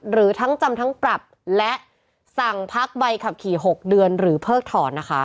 หรือทั้งจำทั้งปรับและสั่งพักใบขับขี่๖เดือนหรือเพิกถอนนะคะ